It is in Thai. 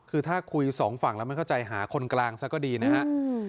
คือถ้าคุยสองฝั่งแล้วไม่เข้าใจหาคนกลางซะก็ดีนะฮะ